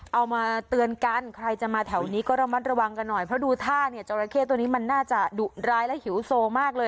เอามาเตือนกันใครจะมาแถวนี้ก็ระมัดระวังกันหน่อยเพราะดูท่าเนี่ยจราเข้ตัวนี้มันน่าจะดุร้ายและหิวโซมากเลย